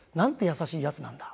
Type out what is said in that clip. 優しいヤツなんだ。